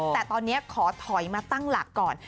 แต่ตอนนี้ขอถอยมาตั้งหลักก่อน